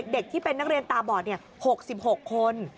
เด็กที่เป็นนักเรียนตาบอด๖๖คน